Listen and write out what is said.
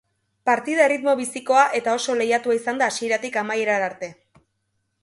Partida erritmo bizikoa eta oso lehiatua izan da hasieratik amaierara arte.